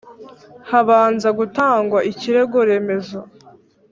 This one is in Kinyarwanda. Habanza gutangwa ikirego remezo